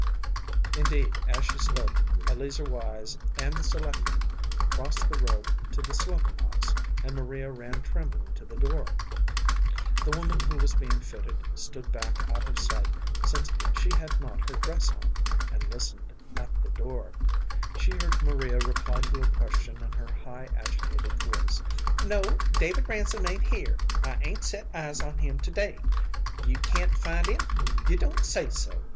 Indeed, as she spoke Eleazer Wise and the selectman crossed the road to the Slocum house, and Maria ran trembling to the door. The woman who was being fitted stood back out of sight, since she had not her dress on, and listened at the door. She heard Maria reply to a question in her high agitated voice. "No, David Ransom ain't here. I 'ain't set eyes on him to day. You can't find him? You don't say so!